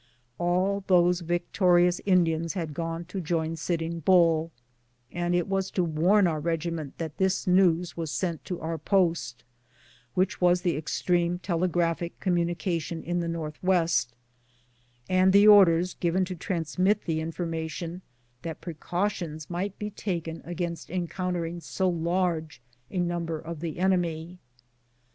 All those victorious Indians had gone to join Sitting Bull, and it was to warn our regiment that this news was sent to our post, wliich was the extreme telegraphic communication in the North west, and the orders given to transmit the information, that precautions might be taken against encountering so large a number of the enemy.